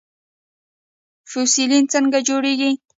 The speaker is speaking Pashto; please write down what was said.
فوسیلونه څنګه جوړیږي؟